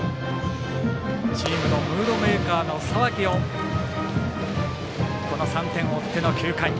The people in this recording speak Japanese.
チームのムードメーカーの佐脇をこの３点を追っての９回。